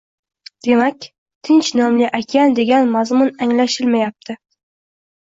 Demak, Tinch nomli okean degan mazmun anglashilmayapti